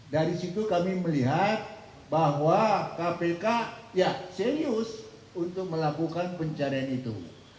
dari situ kami melihat bahwa kpk ya serius untuk melakukan pencarian itu